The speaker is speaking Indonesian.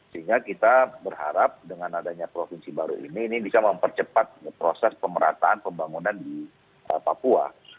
sehingga kita berharap dengan adanya provinsi baru ini ini bisa mempercepat proses pemerataan pembangunan di papua